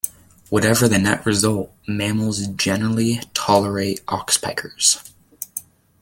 Whatever the net result, mammals generally tolerate oxpeckers.